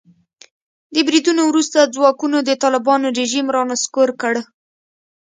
د بریدونو وروسته ځواکونو د طالبانو رژیم را نسکور کړ.